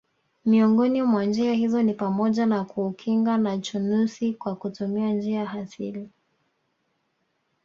Miongoni mwa njia hizo ni pamoja na kuukinga na chunusi kwa kutumia njia asili